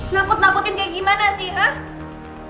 nakut nakutin kayak gimana sih ah